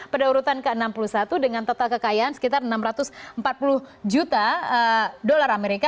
pada urutan ke enam puluh satu dengan total kekayaan sekitar enam ratus empat puluh juta dolar amerika